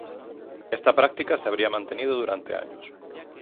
Esta práctica se habría mantenido durante años.